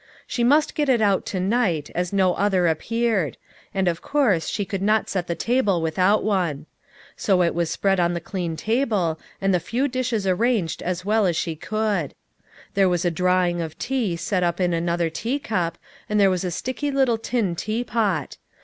She must get it out to night, as no other appeared ; and of course she conld not set the table without one. So it was spread on the clean table, and the few dishes arranged as well as she could. There was a drawing of tea set up in another teacup, and there was a sticky little tin teapot.